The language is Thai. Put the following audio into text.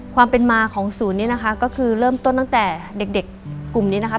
ความเป็นมาของศูนย์นี้นะคะก็คือเริ่มต้นตั้งแต่เด็กเด็กกลุ่มนี้นะครับ